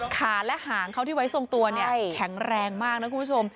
ขาและหางเขาที่ไว้ทรงตัวเนี่ยแข็งแรงมากนะคุณผู้ชม